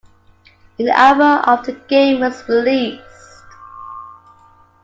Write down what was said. An alpha of the game was released.